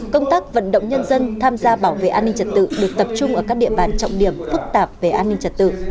công tác vận động nhân dân tham gia bảo vệ an ninh trật tự được tập trung ở các địa bàn trọng điểm phức tạp về an ninh trật tự